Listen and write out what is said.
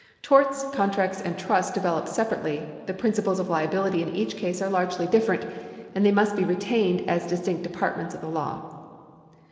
Torts, contracts, and trusts developed separately' , the principles of liability in each case are largely different, and they must be retained as dis tinct departments of the law.